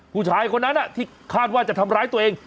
ผู้ชายคนนั้นที่คาดว่าจะทำร้ายตัวเอง